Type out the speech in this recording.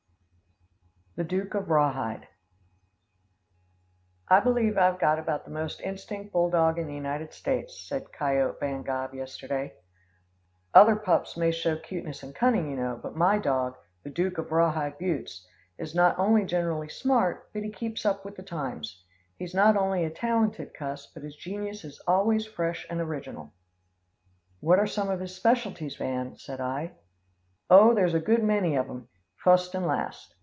] The Duke of Rawhide. "I believe I've got about the most instinct bulldog in the United States," said Cayote Van Gobb yesterday. "Other pups may show cuteness and cunning, you know, but my dog, the Duke of Rawhide Buttes, is not only generally smart, but he keeps up with the times. He's not only a talented cuss, but his genius is always fresh and original." "What are some of his specialties, Van?" said I. "Oh, there's a good many of 'em, fust and last.